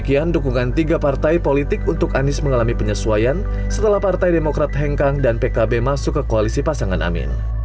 kekuatan pasangan amin juga mengesan untuk mengelola partai politik untuk anies mengalami penyesuaian setelah partai demokrat hengkang dan pkb masuk ke koalisi pasangan amin